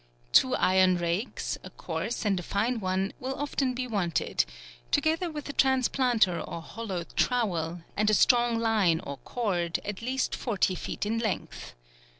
Two iron rakes, a coarse and a fine one, will often be wanted, together with a transplanter or hollow trowel, and a strong line or cord, at least forty feet in length.